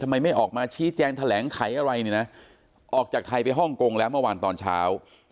ทำไมไม่ออกมาชี้แจงแถลงไขอะไรเนี่ยนะออกจากไทยไปฮ่องกงแล้วเมื่อวานตอนเช้า